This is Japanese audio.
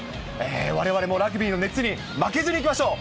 われわれもラグビーの熱に負けずにいきましょう。